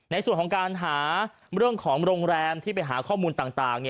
ในส่วนของการหาเรื่องของโรงแรมที่ไปหาข้อมูลต่าง